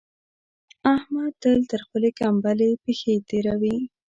احمد تل تر خپلې کمبلې پښې تېروي.